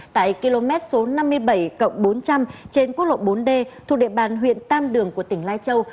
tại km số năm mươi bảy bốn trăm linh trên quốc lộ bốn d thuộc địa bàn huyện tam đường của tỉnh lai châu